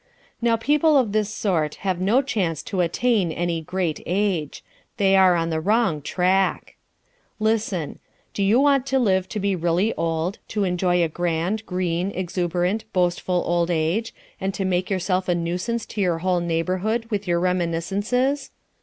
Now people of this sort have no chance to attain any great age. They are on the wrong track. Listen. Do you want to live to be really old, to enjoy a grand, green, exuberant, boastful old age and to make yourself a nuisance to your whole neighbourhood with your reminiscences?